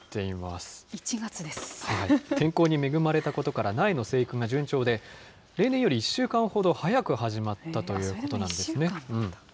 天候に恵まれたことから、苗の生育が順調で、例年より１週間ほど早く始まったということなんですね。